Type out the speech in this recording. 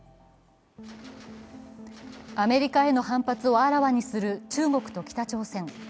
アメリカへの反発をあらわにする中国と北朝鮮。